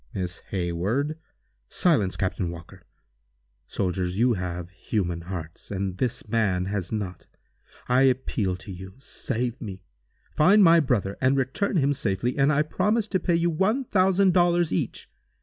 "Miss Hayward!" "Silence, Captain Walker. Soldiers, you have human hearts, and this man has not. I appeal to you. Save me! Find my brother and return him safely, and I promise to pay you one thousand dollars each.